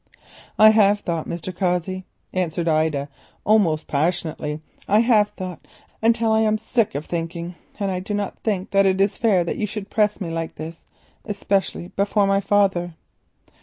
"I have thought, Mr. Cossey," answered Ida almost passionately: "I have thought until I am tired of thinking, and I do not consider it fair that you should press me like this, especially before my father."